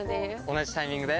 同じタイミングで？